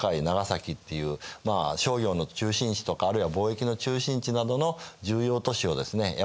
長崎っていうまあ商業の中心地とかあるいは貿易の中心地などの重要都市をですね